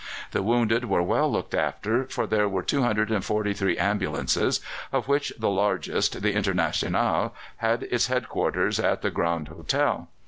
The wounded were well looked after, for there were 243 ambulances, of which the largest, the International, had its headquarters at the Grand Hotel.